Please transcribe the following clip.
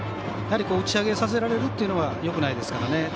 やはり打ち上げさせられるというのがよくないですからね。